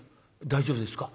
大丈夫ですか？